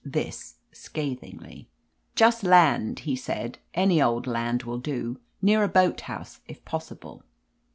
This scathingly. "Just land," he said. "Any old land will do. Near a boat house, if possible."